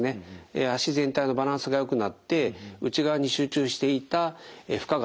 足全体のバランスがよくなって内側に集中していた負荷がですね